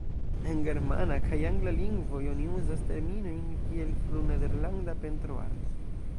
En germana kaj angla lingvoj oni uzas terminojn kiel "fru-nederlanda pentroarto".